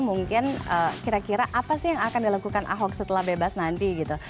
mungkin kira kira apa sih yang akan dilakukan ahok setelah bebas nanti gitu